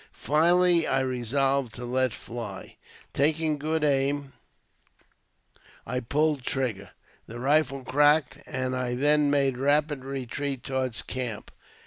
Finally, I resolved to let fly; taking good aim, I pulled trigger, the rifle cracked, and I then made rapid retreat towards the camp.